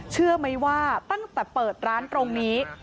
เชื่อไหมว่าตั้งแต่เปิดร้านตรงนี้